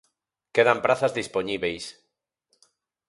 Quedan prazas dispoñibeis.